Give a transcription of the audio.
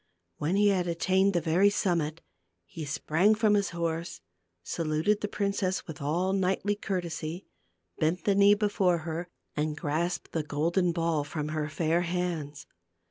When he had attained the very summit, he sprang from his horse, saluted the princess with all knightly courtesy, bent the knee before her, and grasped the golden ball from her fair hands.